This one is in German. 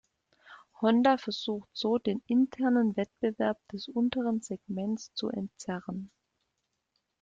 Honda versucht so den internen Wettbewerb des unteren Segmentes zu entzerren.